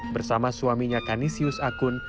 bersama suaminya canisius akun